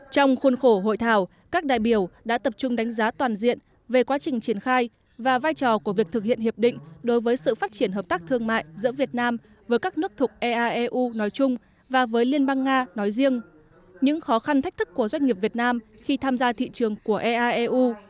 trong khuôn khổ hội thảo các đại biểu đã tập trung đánh giá toàn diện về quá trình triển khai và vai trò của việc thực hiện hiệp định đối với sự phát triển hợp tác thương mại giữa việt nam với các nước thục eaeu nói chung và với liên bang nga nói riêng những khó khăn thách thức của doanh nghiệp việt nam khi tham gia thị trường của eaeu